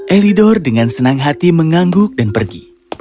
elidor dengan senang hati mengangguk dan pergi